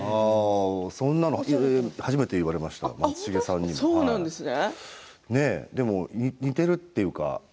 そんなの初めて言われました松重さんにでも似てるっていうか